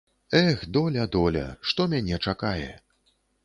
Эх, доля, доля, што мяне чакае?